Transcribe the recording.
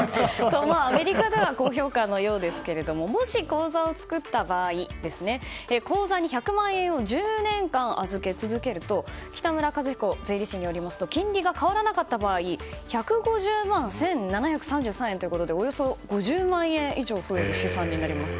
アメリカでは高評価のようですがもし口座を作った場合口座に１００万円を１０年間預け続けると北村和彦税理士によりますと金利が変わらなかった場合１５０万１７３３円ということでおよそ５０万円以上の資産になります。